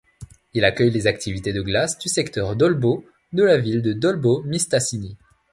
Il accueille les activités de glace du secteur Dolbeau de la Ville de Dolbeau-Mistassini.